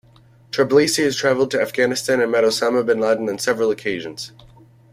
Trabelsi had traveled to Afghanistan and met Osama bin Laden on several occasions.